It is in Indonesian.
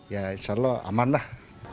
ya insya allah aman lah